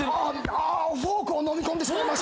あフォークをのみ込んでしまいました。